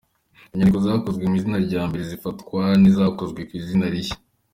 Inyandiko zakozwe mu izina rya mbere zifatwa nk’izakozwe ku izina rishya.